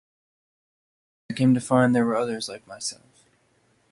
Slowly, I came to find that there were others like myself.